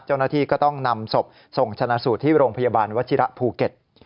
เจ้าหน้าที่ก็ต้องนำศพส่งชนะสูตรที่โรงพยาบาลวัชิระภูเก็ต